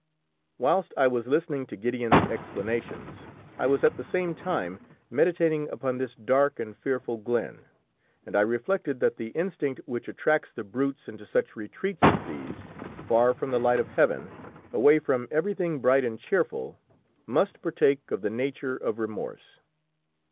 Whilst I was listening to Gideon's explanations I was at the same time meditating upon this dark and fearful glen, and I reflected that the instinct which attracts the brutes into such retreats as these, far from the light of heaven, away from everything bright and cheerful, must partake of the nature of remorse.